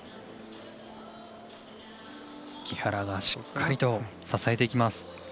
木原がしっかりと支えていきます。